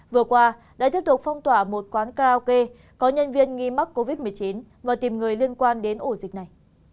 vừa qua đã tiếp tục phong tỏa một quán karaoke có nhân viên nghi mắc covid một mươi chín và tìm người liên quan đến ổ dịch này